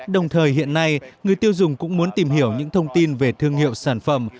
đồng thời hiện nay người tiêu dùng cũng muốn tìm hiểu những thông tin về thương hiệu sản phẩm